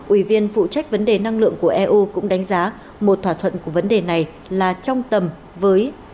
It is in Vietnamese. ủy viên phụ trách vấn đề năng lượng của eu cũng đánh giá một thỏa thuận của vấn đề này là trong tầm với